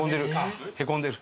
へこんでる。